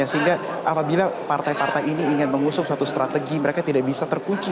sehingga apabila partai partai ini ingin mengusung suatu strategi mereka tidak bisa terkunci